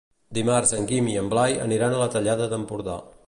Dimarts en Guim i en Blai aniran a la Tallada d'Empordà.